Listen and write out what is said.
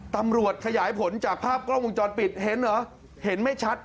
ตำรวจขยายผลจากภาพกล้องวงจรปิดเห็นเหรอเห็นไม่ชัด